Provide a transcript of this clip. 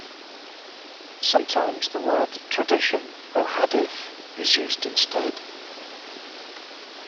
Sometimes the word "tradition" or "hadith" is used instead.